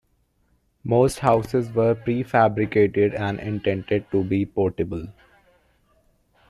Most houses were prefabricated, and intended to be portable.